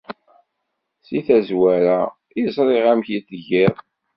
seg tazwara i ẓriɣ amek i tgiḍ.